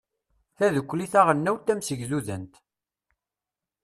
tadukli taɣelnawt tamsegdudant